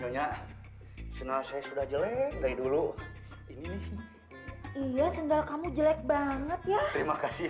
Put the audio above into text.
nyonya sendal saya sudah jelek dari dulu ini nih iya sendal kamu jelek banget ya terima kasih